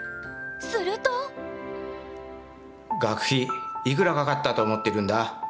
すると学費いくらかかったと思ってるんだ。